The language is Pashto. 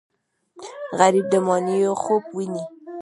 غریب د ماڼیو خوب ویني